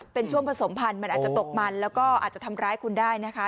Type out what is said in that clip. เป็นช่วงผสมพันธุ์มันอาจจะตกมันแล้วก็อาจจะทำร้ายคุณได้นะคะ